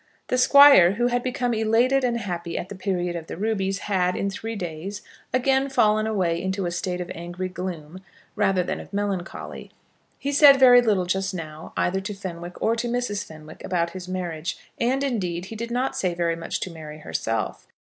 The Squire, who had become elated and happy at the period of the rubies, had, in three days, again fallen away into a state of angry gloom, rather than of melancholy. He said very little just now either to Fenwick or to Mrs. Fenwick about his marriage; and, indeed, he did not say very much to Mary herself.